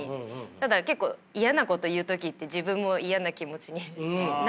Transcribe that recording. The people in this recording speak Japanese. ただ結構嫌なこと言う時って自分も嫌な気持ちになるじゃないですか。